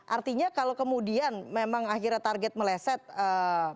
artinya kalau kemudian memang akhirnya target meleset pak said